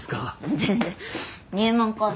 全然入門コース